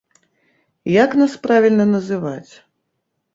Як нас правільна называць?